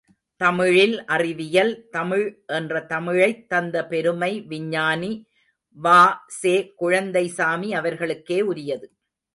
தமிழில் அறிவியல் தமிழ் என்ற தமிழைத் தந்த பெருமை விஞ்ஞானி வா.செ.குழந்தைசாமி அவர்களுக்கே உரியது.